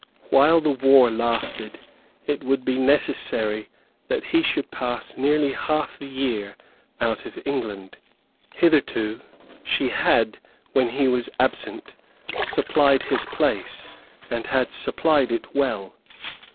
While the war lasted, it would be necessary that he should pass nearly half the year out of England. Hitherto she had, when he was absent, supplied his place, and had supplied it well.